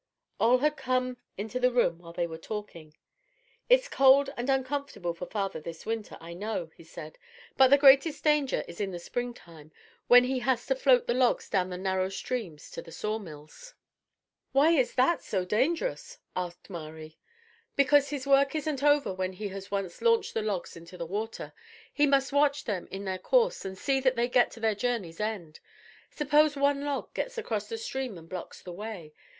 Ole had come into the room while they were talking. "It's cold and uncomfortable for father this winter, I know," he said, "but the greatest danger is in the spring time, when he has to float the logs down the narrow streams to the sawmills." "Why is that so dangerous?" asked Mari. "Because his work isn't over when he has once launched the logs into the water. He must watch them in their course and see that they get to their journey's end. Suppose one log gets across the stream and blocks the way?